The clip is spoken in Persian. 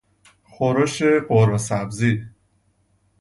خورش قورمه سبزی